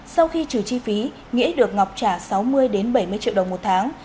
sau khi trừ chi phí nghĩa được ngọc trả sáu mươi bảy mươi triệu đồng một tháng